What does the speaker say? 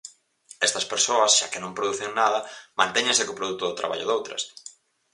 Estas persoas, xa que non producen nada, mantéñense co produto do traballo doutras.